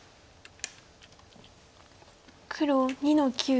黒２の九。